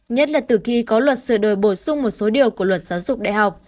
nhất là từ khi có luật sửa đổi bổ sung một số điều của luật giáo dục đại học